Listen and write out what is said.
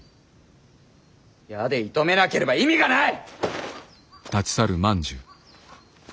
矢で射止めなければ意味がない！